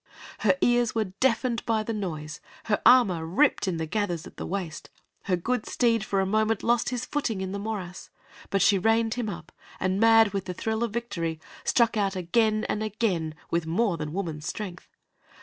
Her ears were deafened by the noise; her armor ripped in the gathers at the waist; her good steed for a moment lost his footing in the morass, but she reined him up, and, mad with the thrill of victory, struck out again and again with more than woman's strength.